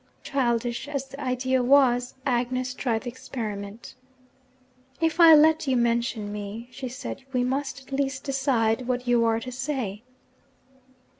Childish as the idea was, Agnes tried the experiment. 'If I let you mention me,' she said, 'we must at least decide what you are to say.'